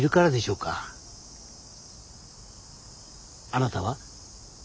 あなたは？